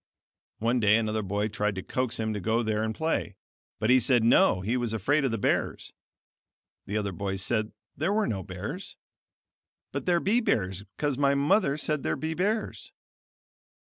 One day another boy tried to coax him to go there and play, but he said, no, he was afraid of the bears. The other boy said there were no bears. "But there be bears cause my mother said there be bears."